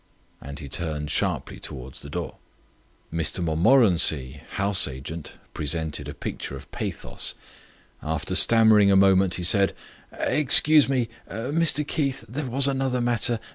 And he turned sharply towards the door. Mr Montmorency, House Agent, presented a picture of pathos. After stammering a moment he said: "Excuse me... Mr Keith... there was another matter...